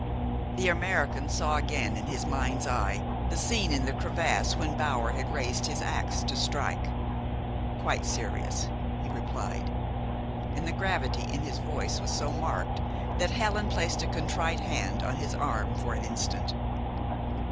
The American saw again in his mind's eye the scene in the crevasse when Bower had raised his ax to strike. "Quite serious," he replied, and the gravity in his voice was so marked that Helen placed a contrite hand on his arm for an instant.